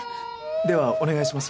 ではお願いします。